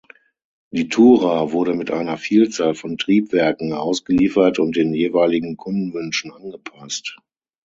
Die Tourer wurde mit einer Vielzahl von Triebwerken ausgeliefert und den jeweiligen Kundenwünschen angepasst.